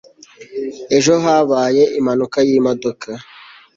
ejo habaye impanuka yimodoka